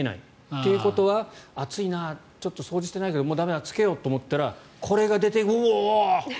ということは暑いなちょっと掃除してないけど駄目だ、つけようってなったらこれが出て、うおー！と。